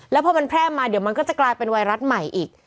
แล้วพอมันแพร่มาเดี๋ยวมันก็จะกลายเป็นไวรัสใหม่อีก